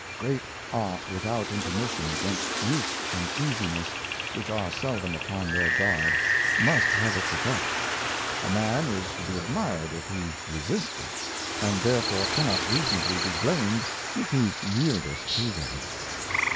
Great Art without intermission, against Youth and Easiness, which are seldom upon their guard, must have its Effect. A Man is to be admired if he resisteth, and therefore cannot reasonably be blamed if he yieldeth to them.